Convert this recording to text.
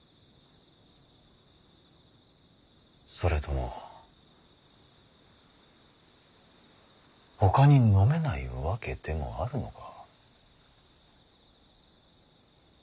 それともほかに飲めない訳でもあるのか。